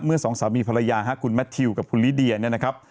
สองสามีภรรยาคุณแมททิวกับคุณลิเดียเนี่ยนะครับ